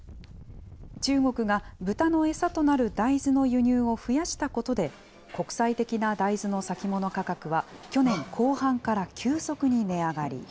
中国が豚の餌となる大豆の輸入を増やしたことで、国際的な大豆の先物価格は去年後半から急速に値上がり。